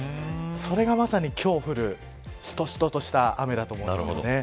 それがまさに、今日降るしとしととした雨だと思います。